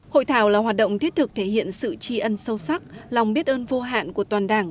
hội thảo là hoạt động thiết thực thể hiện sự tri ân sâu sắc lòng biết ơn vô hạn của toàn đảng